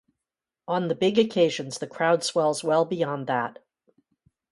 On the big occasions the crowd swells well beyond that.